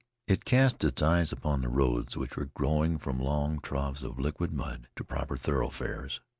It cast its eyes upon the roads, which were growing from long troughs of liquid mud to proper thoroughfares.